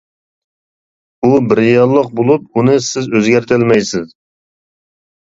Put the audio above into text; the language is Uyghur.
ئۇ بىر رېئاللىق بولۇپ، ئۇنى سىز ئۆزگەرتەلمەيسىز.